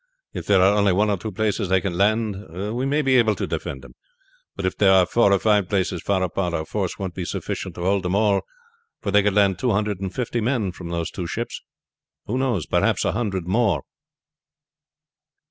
If there are only one or two places they can land at we may be able to defend them; but if there are four or five places far apart our force won't be sufficient to hold them all, for they could land two hundred and fifty men from those two ships, perhaps a hundred more."